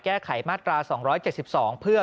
แก้ไขมาตรา๒๗๒เพื่อ